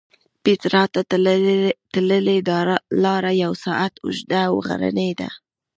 پېټرا ته تللې دا لاره یو ساعت اوږده او غرنۍ ده.